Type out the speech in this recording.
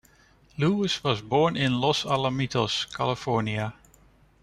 Lewis was born in Los Alamitos, California.